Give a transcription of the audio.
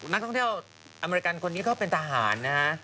นักท่องเที่ยวอเมริกันคนนี้เขาเป็นทหารนะฮะ